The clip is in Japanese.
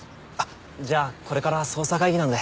じゃあこれから捜査会議なので。